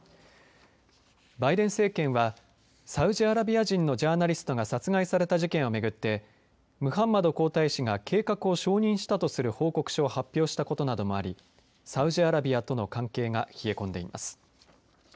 バイデン政権はサウジアラビア人のジャーナリストが殺害された事件を巡ってムハンマド皇太子が計画を承認したとする報告書を発表したことなどもありサウジアラビアとの関係が冷え込んでいます。